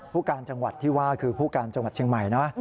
ผู้การจังหวัดที่ว่าคือผู้การจังหวัดเชียงใหม่นะ